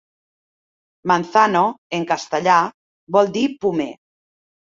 Manzano en castellà vol dir pomer.